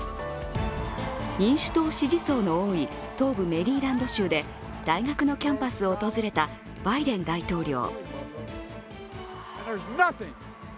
民主党支持層の多い東部メリーランド州で大学のキャンパスを訪れたバイデン大統領。